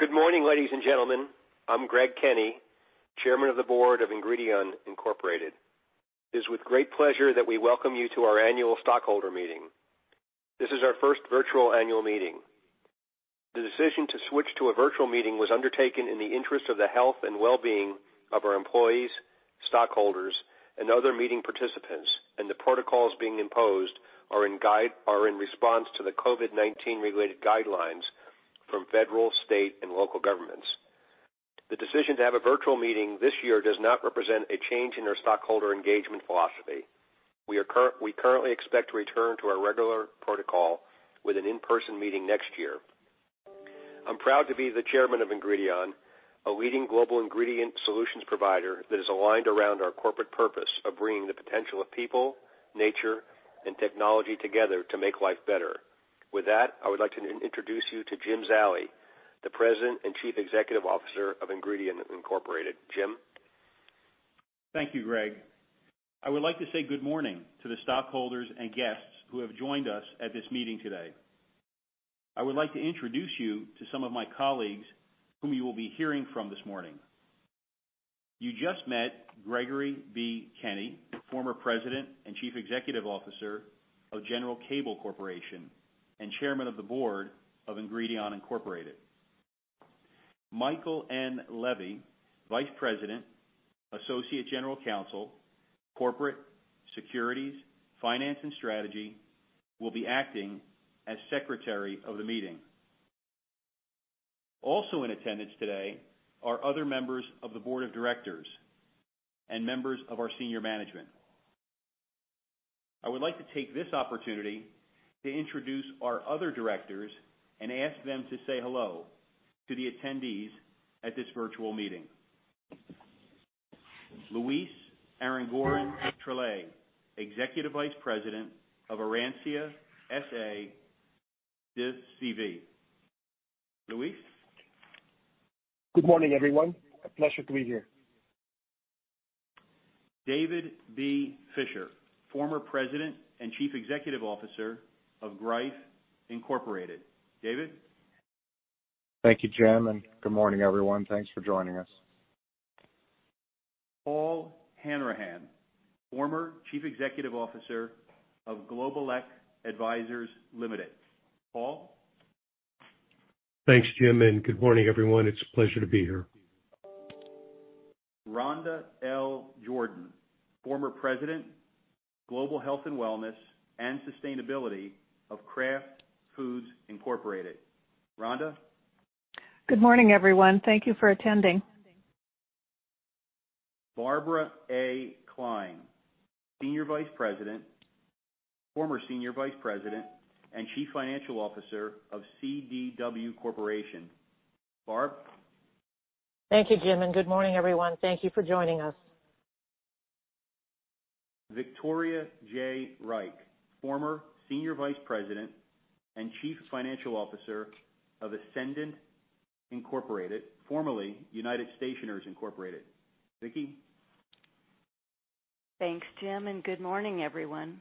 Good morning, ladies and gentlemen. I'm Greg Kenny, Chairman of the Board of Ingredion Incorporated. It is with great pleasure that we welcome you to our annual stockholder meeting. This is our first virtual annual meeting. The decision to switch to a virtual meeting was undertaken in the interest of the health and well-being of our employees, stockholders, and other meeting participants, and the protocols being imposed are in response to the COVID-19 related guidelines from federal, state, and local governments. The decision to have a virtual meeting this year does not represent a change in our stockholder engagement philosophy. We currently expect to return to our regular protocol with an in-person meeting next year. I'm proud to be the chairman of Ingredion, a leading global ingredient solutions provider that is aligned around our corporate purpose of bringing the potential of people, nature, and technology together to make life better. With that, I would like to introduce you to Jim Zallie, the President and Chief Executive Officer of Ingredion Incorporated. Jim? Thank you, Greg. I would like to say good morning to the stockholders and guests who have joined us at this meeting today. I would like to introduce you to some of my colleagues whom you will be hearing from this morning. You just met Gregory B. Kenny, former President and Chief Executive Officer of General Cable Corporation, and Chairman of the Board of Ingredion Incorporated. Michael N. Levy, Vice President, Associate General Counsel, Corporate, Securities, Finance and Strategy, will be acting as Secretary of the meeting. Also in attendance today are other members of the Board of Directors and members of our senior management. I would like to take this opportunity to introduce our other directors and ask them to say hello to the attendees at this virtual meeting. Luis Aranguren-Trellez, Executive Vice President of Arancia, S.A. de C.V. Luis? Good morning, everyone. A pleasure to be here. David B. Fischer, former President and Chief Executive Officer of Greif, Inc. David? Thank you, Jim, and good morning, everyone. Thanks for joining us. Paul Hanrahan, former Chief Executive Officer of Globeleq Advisors Limited. Paul? Thanks, Jim, and good morning, everyone. It's a pleasure to be here. Rhonda L. Jordan, former President, Global Health and Wellness and Sustainability of Kraft Foods Inc. Rhonda? Good morning, everyone. Thank you for attending. Barbara A. Klein, former Senior Vice President and Chief Financial Officer of CDW Corporation. Barb? Thank you, Jim, and good morning, everyone. Thank you for joining us. Victoria J. Reich, former Senior Vice President and Chief Financial Officer of Essendant Incorporated, formerly United Stationers Incorporated. Vicky? Thanks, Jim. Good morning, everyone.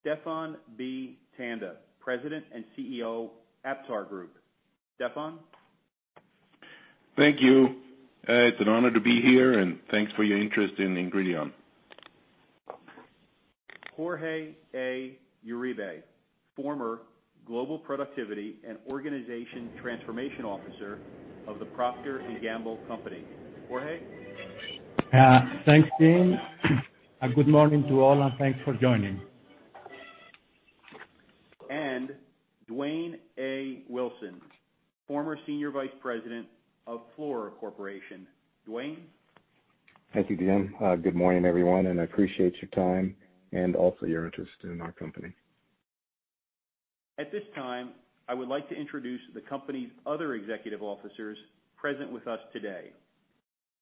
Stephan B. Tanda, President and CEO, AptarGroup. Stephan? Thank you. It's an honor to be here, and thanks for your interest in Ingredion. Jorge A. Uribe, former Global Productivity and Organization Transformation Officer of The Procter & Gamble Company. Jorge? Thanks, Jim, and good morning to all, and thanks for joining. Dwayne A. Wilson, former Senior Vice President of Fluor Corporation. Dwayne? Thank you, Jim. Good morning, everyone, and I appreciate your time and also your interest in our company. At this time, I would like to introduce the company's other executive officers present with us today.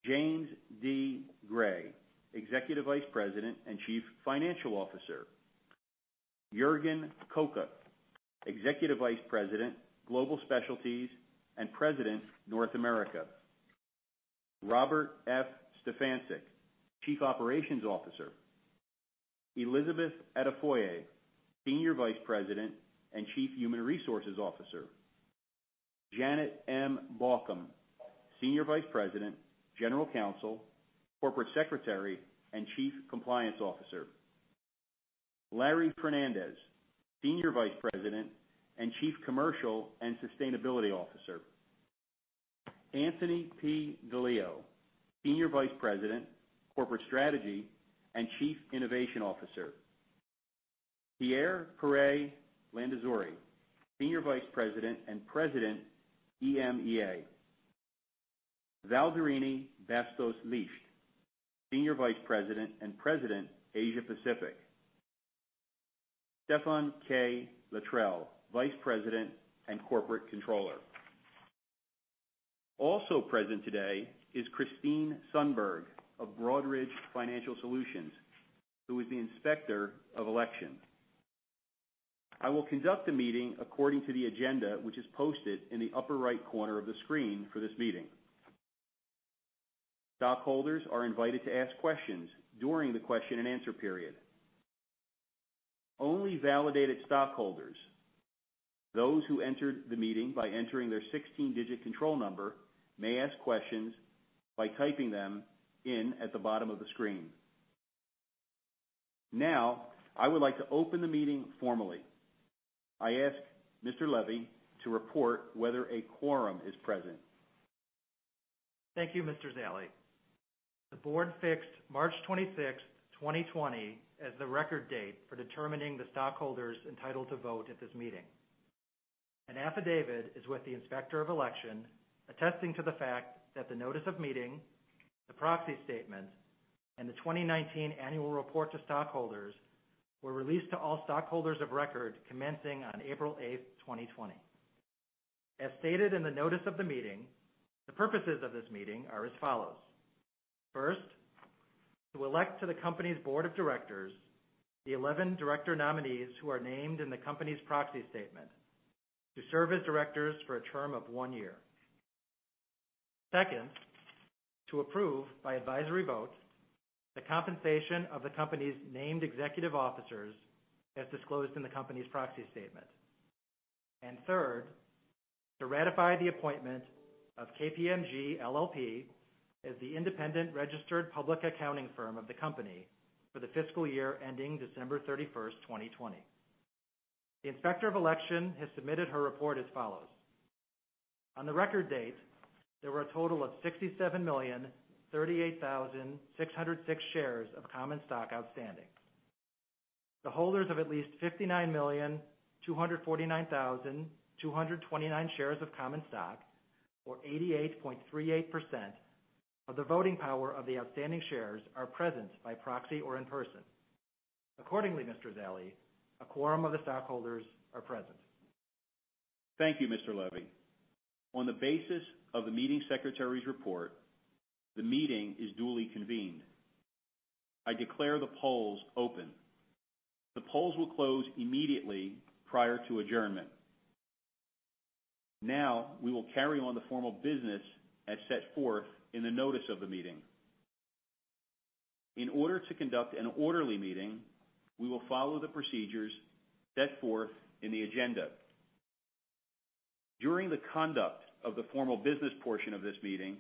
James D. Gray, Executive Vice President and Chief Financial Officer. Jorgen Kokke, Executive Vice President, Global Specialties and President, North America. Robert Stefansic, Chief Operations Officer. Elizabeth Adefioye, Senior Vice President and Chief Human Resources Officer. Janet M. Bawcom, Senior Vice President, General Counsel, Corporate Secretary, and Chief Compliance Officer. Larry Fernandes, Senior Vice President and Chief Commercial and Sustainability Officer. Anthony DeLio, Senior Vice President, Corporate Strategy and Chief Innovation Officer. Pierre Perez y Landazuri, Senior Vice President and President, EMEA. Valdirene Licht, Senior Vice President and President, Asia Pacific. Stephen K. Latreille, Vice President and Corporate Controller. Also present today is Christine Sundberg of Broadridge Financial Solutions, who is the Inspector of Election. I will conduct the meeting according to the agenda, which is posted in the upper right corner of the screen for this meeting. stockholders are invited to ask questions during the question and answer period. Only validated stockholders, those who entered the meeting by entering their 16-digit control number, may ask questions by typing them in at the bottom of the screen. Now, I would like to open the meeting formally. I ask Mr. Levy to report whether a quorum is present. Thank you, Mr. Zallie. The Board fixed March 26th, 2020, as the record date for determining the stockholders entitled to vote at this meeting. An affidavit is with the Inspector of Election attesting to the fact that the notice of meeting, the proxy statement, and the 2019 annual report to stockholders were released to all stockholders of record commencing on April 8th, 2020. As stated in the notice of the meeting, the purposes of this meeting are as follows. First, to elect to the company's Board of Directors the 11 director nominees who are named in the company's proxy statement to serve as directors for a term of one year. Second, to approve by advisory vote the compensation of the company's named executive officers as disclosed in the company's proxy statement. Third, to ratify the appointment of KPMG LLP as the independent registered public accounting firm of the company for the fiscal year ending December 31st, 2020. The Inspector of Election has submitted her report as follows. On the record date, there were a total of 67,038,606 shares of common stock outstanding. The holders of at least 59,249,229 shares of common stock, or 88.38% of the voting power of the outstanding shares, are present by proxy or in person. Accordingly, Mr. Zallie, a quorum of the stockholders are present. Thank you, Mr. Levy. On the basis of the Meeting Secretary's Report, the meeting is duly convened. I declare the polls open. The polls will close immediately prior to adjournment. Now, we will carry on the formal business as set forth in the notice of the meeting. In order to conduct an orderly meeting, we will follow the procedures set forth in the agenda. During the conduct of the formal business portion of this meeting,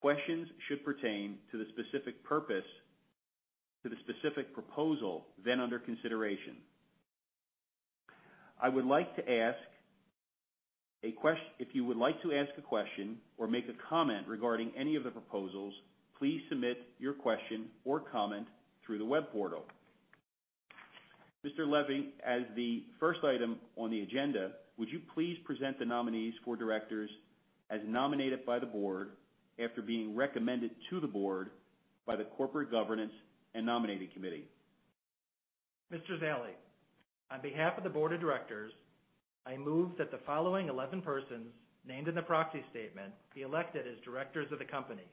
questions should pertain to the specific proposal then under consideration. If you would like to ask a question or make a comment regarding any of the proposals, please submit your question or comment through the web portal. Mr. Levy, as the first item on the agenda, would you please present the nominees for directors as nominated by the board after being recommended to the board by the Corporate Governance and Nominating Committee? Mr. Zallie, on behalf of the board of directors, I move that the following 11 persons named in the proxy statement be elected as directors of the company,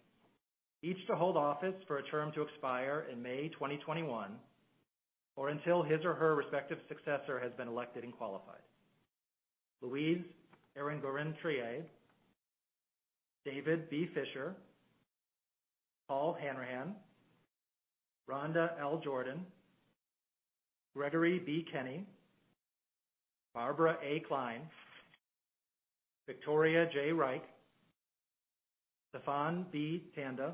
each to hold office for a term to expire in May 2021, or until his or her respective successor has been elected and qualified. Luis Aranguren-Trellez, David B. Fischer, Paul Hanrahan, Rhonda L. Jordan, Gregory B. Kenny, Barbara A. Klein, Victoria J. Reich, Stephan B. Tanda,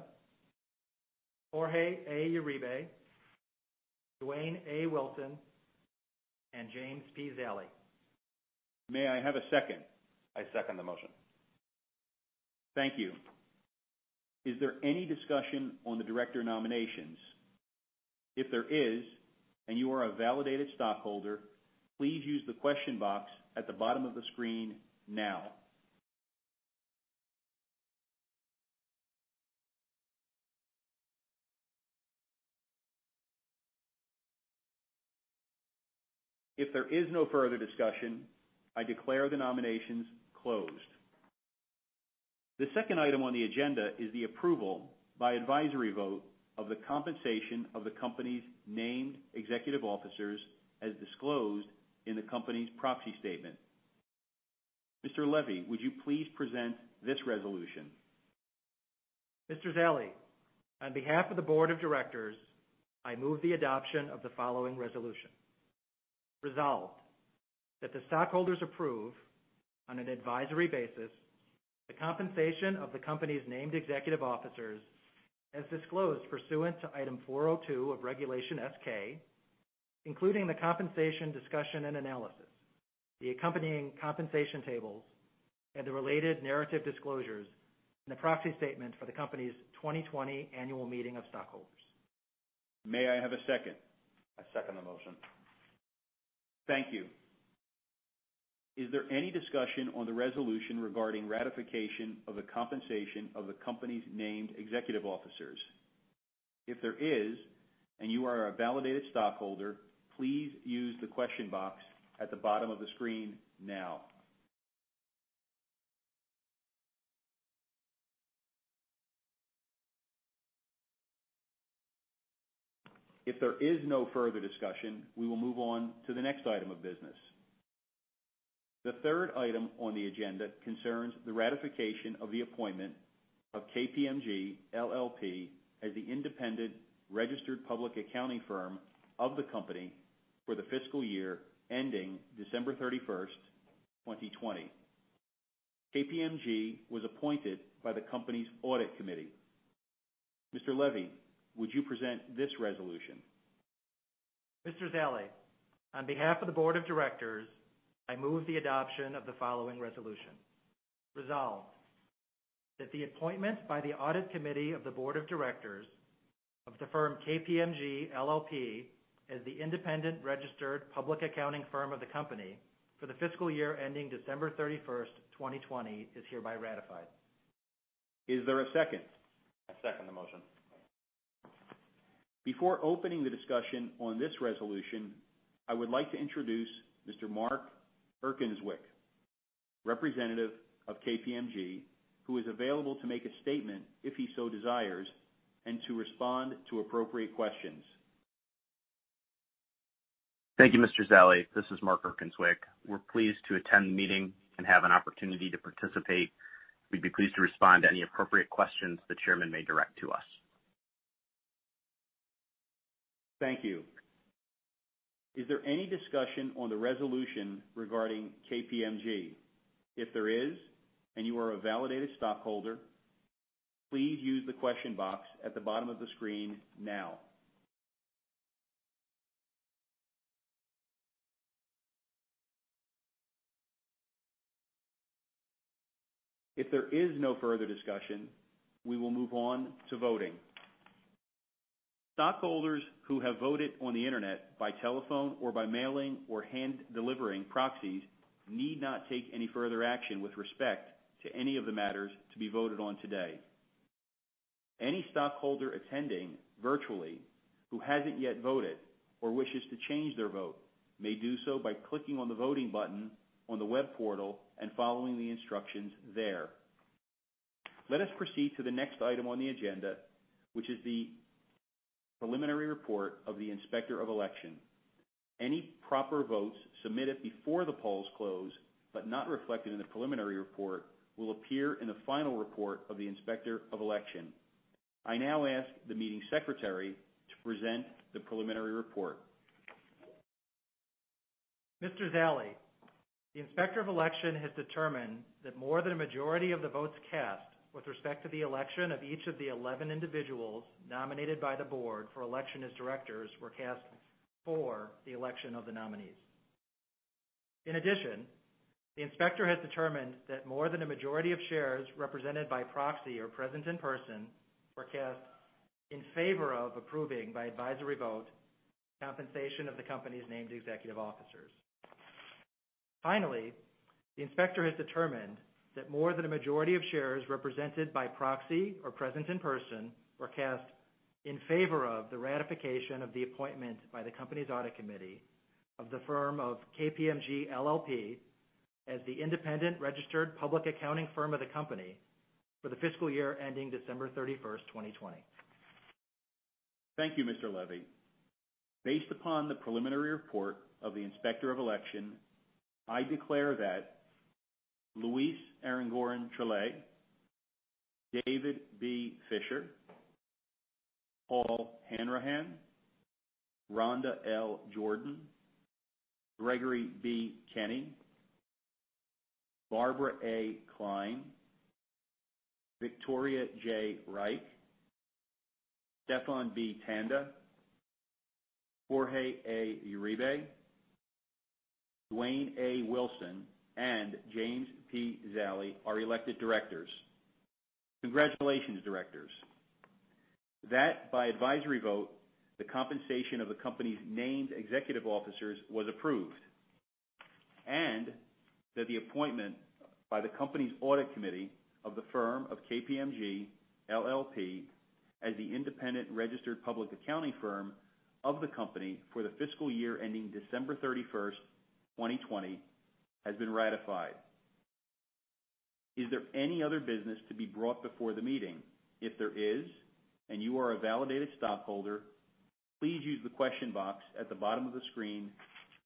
Jorge A. Uribe, Dwayne A. Wilson, and James P. Zallie. May I have a second? I second the motion. Thank you. Is there any discussion on the director nominations? If there is, and you are a validated stockholder, please use the question box at the bottom of the screen now. If there is no further discussion, I declare the nominations closed. The second item on the agenda is the approval by advisory vote of the compensation of the company's named executive officers as disclosed in the company's proxy statement. Mr. Levy, would you please present this resolution? Mr. Zallie, on behalf of the board of directors, I move the adoption of the following resolution. Resolved, that the stockholders approve, on an advisory basis, the compensation of the company's named executive officers as disclosed pursuant to Item 402 of Regulation S-K, including the compensation discussion and analysis, the accompanying compensation tables, and the related narrative disclosures in the proxy statement for the company's 2020 annual meeting of stockholders. May I have a second? I second the motion. Thank you. Is there any discussion on the resolution regarding ratification of the compensation of the company's named executive officers? If there is, and you are a validated stockholder, please use the question box at the bottom of the screen now. If there is no further discussion, we will move on to the next item of business. The third item on the agenda concerns the ratification of the appointment of KPMG LLP as the independent registered public accounting firm of the company for the fiscal year ending December 31st, 2020. KPMG was appointed by the company's audit committee. Mr. Levy, would you present this resolution? Mr. Zallie, on behalf of the board of directors, I move the adoption of the following resolution. Resolved that the appointment by the audit committee of the board of directors of the firm KPMG LLP as the independent registered public accounting firm of the company for the fiscal year ending December 31st, 2020, is hereby ratified. Is there a second? I second the motion. Before opening the discussion on this resolution, I would like to introduce Mr. Mark Erkenswick, representative of KPMG, who is available to make a statement if he so desires, and to respond to appropriate questions. Thank you, Mr. Zallie. This is Mark Erkenswick. We're pleased to attend the meeting and have an opportunity to participate. We'd be pleased to respond to any appropriate questions the chairman may direct to us. Thank you. Is there any discussion on the resolution regarding KPMG? If there is, and you are a validated stockholder, please use the question box at the bottom of the screen now. There is no further discussion, we will move on to voting. Stockholders who have voted on the internet, by telephone, or by mailing or hand-delivering proxies need not take any further action with respect to any of the matters to be voted on today. Any stockholder attending virtually who hasn't yet voted or wishes to change their vote may do so by clicking on the voting button on the web portal and following the instructions there. Let us proceed to the next item on the agenda, which is the preliminary report of the Inspector of Election. Any proper votes submitted before the polls close but not reflected in the preliminary report will appear in the final report of the Inspector of Election. I now ask the meeting secretary to present the preliminary report. Mr. Zallie, the Inspector of Election has determined that more than a majority of the votes cast with respect to the election of each of the 11 individuals nominated by the board for election as directors were cast for the election of the nominees. The Inspector has determined that more than a majority of shares represented by proxy or present in person were cast in favor of approving, by advisory vote, compensation of the company's named executive officers. The Inspector has determined that more than a majority of shares represented by proxy or present in person were cast in favor of the ratification of the appointment by the company's Audit Committee of the firm of KPMG LLP as the independent registered public accounting firm of the company for the fiscal year ending December 31st, 2020. Thank you, Mr. Levy. Based upon the preliminary report of the Inspector of Election, I declare that Luis Aranguren-Trellez, David B. Fischer, Paul Hanrahan, Rhonda L. Jordan, Gregory B. Kenny, Barbara A. Klein, Victoria J. Reich, Stephan B. Tanda, Jorge A. Uribe, Dwayne A. Wilson, and James P. Zallie are elected directors. Congratulations, directors. By advisory vote, the compensation of the company's named executive officers was approved, and that the appointment by the company's audit committee of the firm of KPMG LLP as the independent registered public accounting firm of the company for the fiscal year ending December 31st, 2020, has been ratified. Is there any other business to be brought before the meeting? If there is, and you are a validated stockholder, please use the question box at the bottom of the screen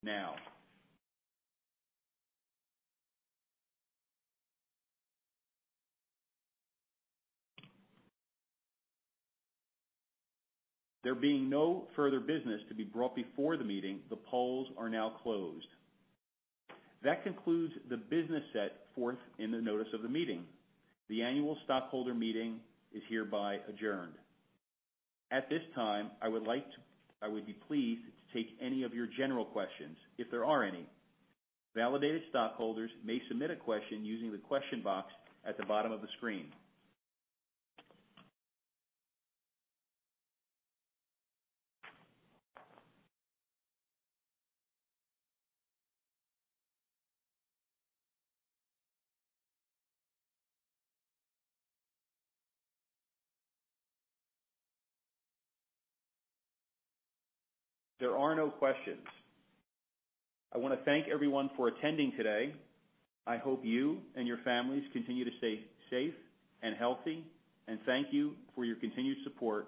now. There being no further business to be brought before the meeting, the polls are now closed. That concludes the business set forth in the notice of the meeting. The annual stockholder meeting is hereby adjourned. At this time, I would be pleased to take any of your general questions, if there are any. Validated stockholders may submit a question using the question box at the bottom of the screen. There are no questions. I want to thank everyone for attending today. I hope you and your families continue to stay safe and healthy, and thank you for your continued support.